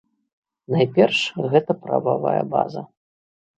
Найперш, гэта прававая база.